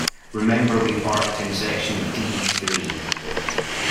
Remember we parked in section D three.